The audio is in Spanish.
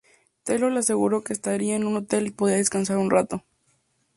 Taylor le aseguró que estaría en su hotel y podía descansar un rato.